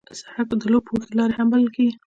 سړک د پوهې لار هم بلل کېږي.